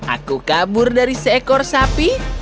aku kabur dari seekor sapi